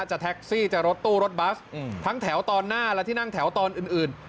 แท็กซี่จะรถตู้รถบัสทั้งแถวตอนหน้าและที่นั่งแถวตอนอื่น